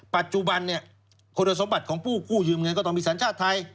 ปัจจุบันคนทดสอบบัติของผู้กู้ยืมเงินต้องมีศัลจาศไทย